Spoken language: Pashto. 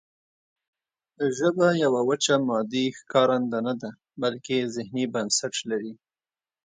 ژبه یوه وچه مادي ښکارنده نه ده بلکې ذهني بنسټ لري